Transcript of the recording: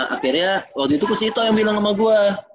akhirnya waktu itu kucito yang bilang sama gue